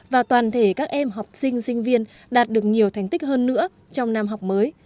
và toàn thể các em học sinh sinh viên đạt được nhiều thành tích hơn nữa trong năm học mới